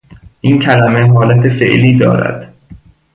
این کلمه حالت فعلی دارد